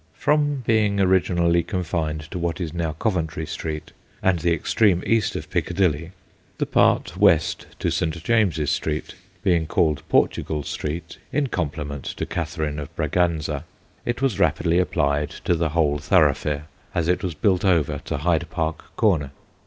From being originally confined to what is now Coventry Street and the extreme east of Piccadilly the part west to St. James's 8 THE GHOSTS OF PICCADILLY Street being called Portugal Street in com pliment to Catherine of Braganza it was rapidly applied to the whole thoroughfare, as it was built over, to Hyde Park Corner.